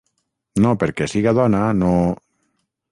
No perquè siga dona, no...